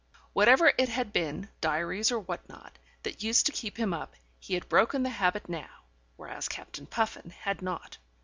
Whatever it had been (diaries or what not) that used to keep him up, he had broken the habit now, whereas Captain Puffin had not.